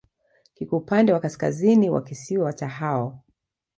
Kiko upande wa kaskazini wa kisiwa cha Hao.